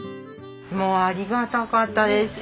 もうありがたかったですよ。